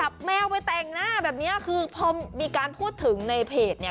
แมวไปแต่งหน้าแบบเนี้ยคือพอมีการพูดถึงในเพจเนี่ย